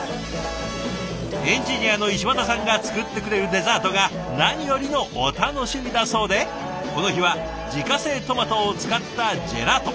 エンジニアの石綿さんが作ってくれるデザートが何よりのお楽しみだそうでこの日は自家製トマトを使ったジェラート。